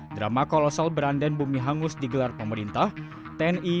drama kolosal berandan bumi hangus digelar pemerintah tni